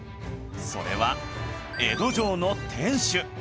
それは江戸城の天守